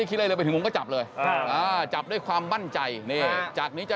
คิดอะไรเลยไปถึงผมก็จับเลยจับด้วยความมั่นใจนี่จากนี้จะ